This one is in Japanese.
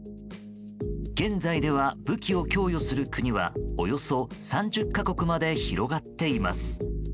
現在では武器を供与する国はおよそ３０か国まで広がっています。